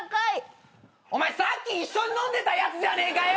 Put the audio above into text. お前さっき一緒に飲んでたやつじゃねえかよ！